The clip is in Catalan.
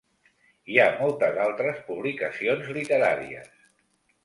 Hi ha moltes altres publicacions literàries.